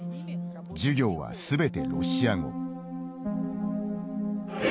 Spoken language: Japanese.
授業はすべてロシア語。